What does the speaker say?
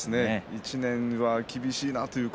１年は厳しいなという声